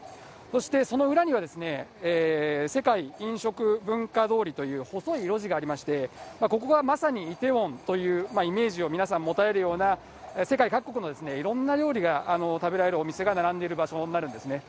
そしてその裏には、世界飲食文化通りという細い路地がありまして、ここがまさに梨泰院というイメージを皆さん持たれるような世界各国のいろんな料理が食べられるお店が並んでいる場所になるんですね。